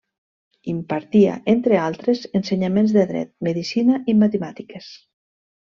Impartia, entre altres, ensenyaments de dret, medicina i matemàtiques.